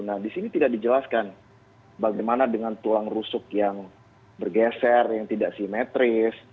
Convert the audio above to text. nah di sini tidak dijelaskan bagaimana dengan tulang rusuk yang bergeser yang tidak simetris